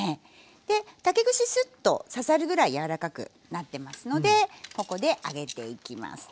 で竹串スッと刺さるぐらい柔らかくなってますのでここで上げていきますね。